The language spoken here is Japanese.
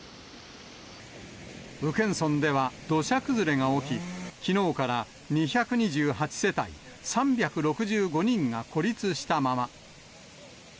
宇検村では土砂崩れが起き、きのうから２２８世帯３６５人が孤立したまま。